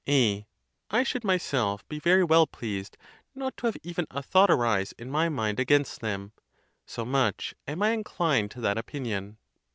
A. I should myself be very well pleased not to have even a thought arise in my mind against them, so much am I inclined to that opinion.